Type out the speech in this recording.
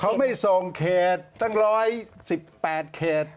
เขาไม่ส่งเขตตั้ง๑๑๘เขต